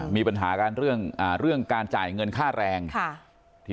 มีปัญหาการเรื่องอ่าเรื่องการจ่ายเงินค่าแรงค่ะที